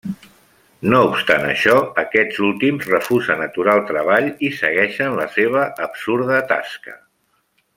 No obstant això, aquests últims refusen aturar el treball i segueixen la seva absurda tasca.